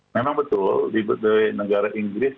memang betul di negara inggris